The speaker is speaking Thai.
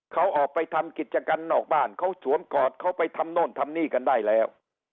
เขาออกไปทำกิจกรรมนอกบ้านเขาสวมกอดเขาไปทำโน่นทำนี่กันได้แล้ว